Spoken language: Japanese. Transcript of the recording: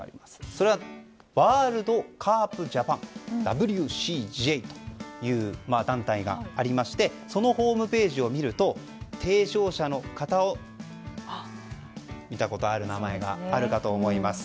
それはワールドカープ・ジャパンＷＣＪという団体がありましてそのホームページを見ると提唱者を見ると見たことある名前があるかと思います。